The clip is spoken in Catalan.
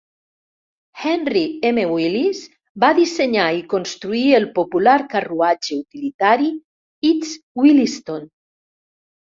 Henry M. Willis va dissenyar i construir el popular carruatge utilitari East Williston.